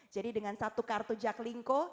dengan satu kartu jaklingko